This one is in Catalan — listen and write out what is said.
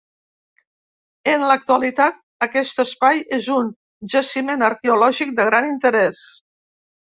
En l'actualitat aquest espai és un jaciment arqueològic de gran interès.